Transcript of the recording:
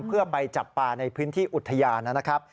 เพื่อไปจับปลาในพื้นที่อุทยานนะครับ